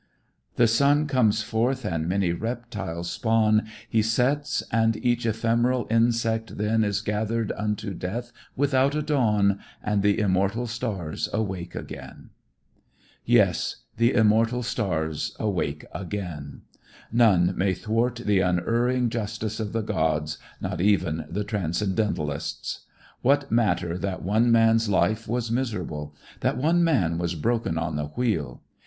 "The sun comes forth and many reptiles spawn, He sets and each ephemeral insect then Is gathered unto death without a dawn, And the immortal stars awake again." Yes, "and the immortal stars awake again." None may thwart the unerring justice of the gods, not even the Transcendentalists. What matter that one man's life was miserable, that one man was broken on the wheel?